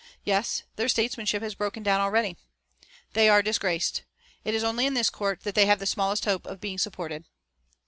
Yes, their statesmanship has broken down already. They are disgraced. It is only in this court that they have the smallest hope of being supported."